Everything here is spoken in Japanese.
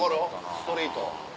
ストリート？